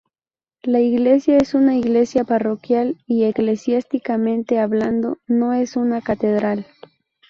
La iglesia es una iglesia parroquial y, eclesiásticamente hablando, no es una catedral.